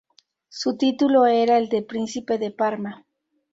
Su título era el de Príncipe de Parma.